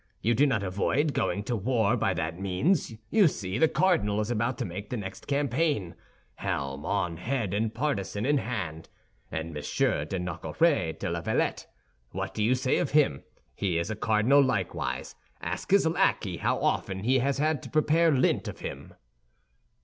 You do not avoid going to war by that means; you see, the cardinal is about to make the next campaign, helm on head and partisan in hand. And Monsieur de Nogaret de la Valette, what do you say of him? He is a cardinal likewise. Ask his lackey how often he has had to prepare lint of him."